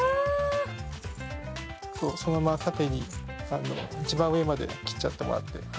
そうそのまま縦に一番上まで切っちゃってもらって。